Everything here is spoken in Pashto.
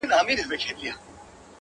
اوس و شپې ته هيڅ وارخطا نه يمه _